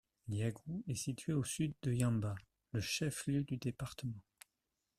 Yagou est situé à au Sud de Yamba, le chef-lieu du département.